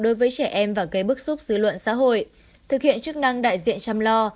đối với trẻ em và gây bức xúc dư luận xã hội thực hiện chức năng đại diện chăm lo